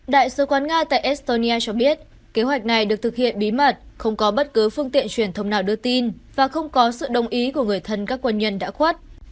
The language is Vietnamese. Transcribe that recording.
đại sứ quán nga tại estonia cho biết kế hoạch này được thực hiện bí mật không có bất cứ phương tiện truyền thông nào đưa tin và không có sự đồng ý của người thân các quân nhân đã khuất